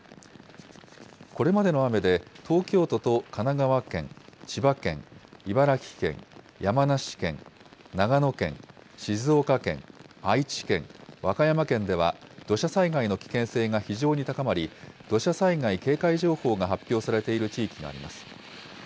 これまでの雨で、東京都と神奈川県、千葉県、茨城県、山梨県、長野県、静岡県、愛知県、和歌山県では、土砂災害の危険性が非常に高まり、土砂災害警戒情報が発表されている地域があります。